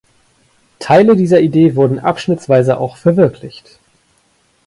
Teile dieser Idee wurden abschnittsweise auch verwirklicht.